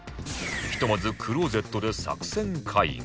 ひとまずクローゼットで作戦会議